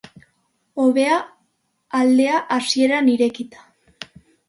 Hobea aldea hasieran irekita.